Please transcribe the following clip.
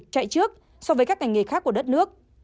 chạy trước so với các ngành nghề khác của đất nước